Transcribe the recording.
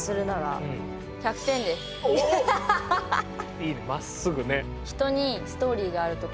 いいねまっすぐね。